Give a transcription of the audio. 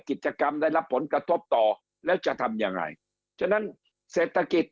กิจกรรมได้รับผลกระทบต่อแล้วจะทำยังไงฉะนั้นเศรษฐกิจ